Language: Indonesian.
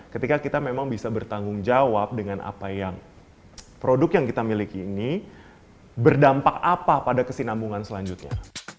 ketika kita memang bisa bertanggung jawab dengan apa yang produk yang kita miliki ini berdampak apa pada kesinambungan selanjutnya